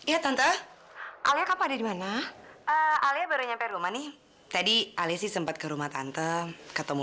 hai iya tante alia kamu ada dimana alia baru nyampe rumah nih tadi alias sempat ke rumah tante ketemu